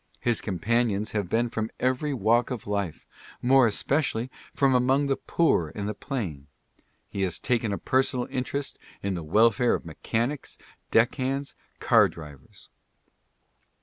His companions have been from every walk of life — more especially from among the poor and the plain. He has taken a personal interest in the welfare of mechanics, deck hands, car drivers.